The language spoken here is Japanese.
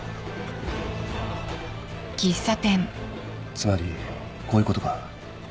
つまりこういうことか？